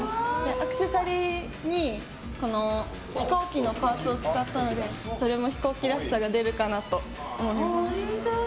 アクセサリーに飛行機のパーツを使ったのでそれも飛行機らしさが出るかなと思います。